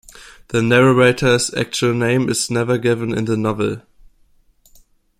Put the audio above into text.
The narrator's actual name is never given in the novel.